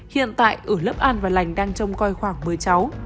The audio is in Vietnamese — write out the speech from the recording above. hiện tại ở lớp an và lành đang trông coi khoảng với cháu